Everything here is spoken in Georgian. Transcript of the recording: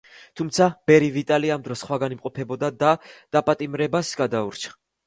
თუმცა, ბერი ვიტალი იმ დროს სხვაგან იმყოფებოდა და დაპატიმრებას გადაურჩა.